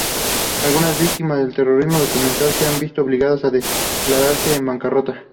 Algunas víctimas del terrorismo documental se han visto obligadas a declararse en bancarrota.